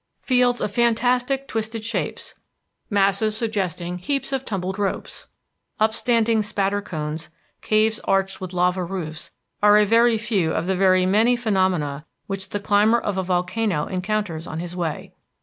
Fields of fantastic, twisted shapes, masses suggesting heaps of tumbled ropes, upstanding spatter cones, caves arched with lava roofs, are a very few of the very many phenomena which the climber of a volcano encounters on his way.